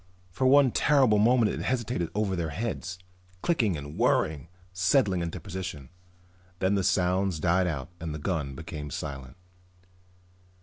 For one terrible moment it hesitated over their heads, clicking and whirring, settling into position. Then the sounds died out and the gun became silent.